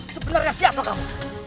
sebenarnya siapa kamu